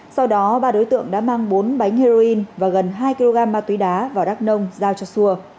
sau đó ba đối tượng đã mang bốn bánh heroin và gần hai kg ma túy đá vào đắk nông giao cho xua